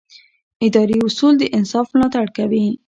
اداري اصول د انصاف ملاتړ کوي.